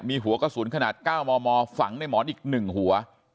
มีหัวกระสุนขนาดก้าวมอฝังในหมอนอีกหนึ่งหัว